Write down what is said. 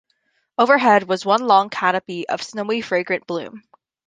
Overhead was one long canopy of snowy fragrant bloom.